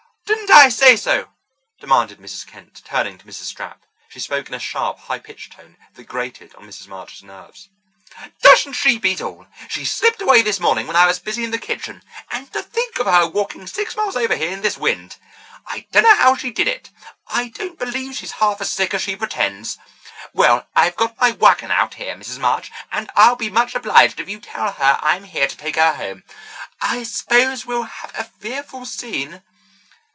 "Didn't I say so?" demanded Mrs. Kent, turning to Mrs. Stapp. She spoke in a sharp, high pitched tone that grated on Mrs. March's nerves. "Doesn't she beat all! She slipped away this morning when I was busy in the kitchen. And to think of her walking six miles over here in this wind! I dunno how she did it. I don't believe she's half as sick as she pretends. Well, I've got my wagon out here, Mrs. March, and I'll be much obliged if you'll tell her I'm here to take her home. I s'pose we'll have a fearful scene."